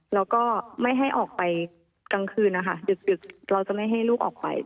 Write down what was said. แล้วก็ไม่ให้ออกไปกลางคืนนะคะดึกเราจะไม่ให้ลูกออกไป